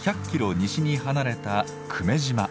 西に離れた久米島。